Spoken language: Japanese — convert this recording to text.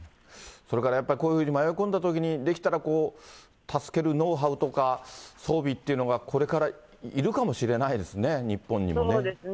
それからやっぱりこういうふうに迷い込んだときに、できたら助けるノウハウとか、装備っていうのが、これからいるかもしれないですね、日本にもね。